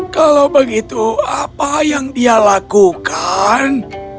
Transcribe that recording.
kalau begitu apa yang dia lakukan